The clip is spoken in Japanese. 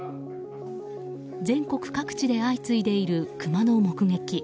全国各地で相次いでいるクマの目撃。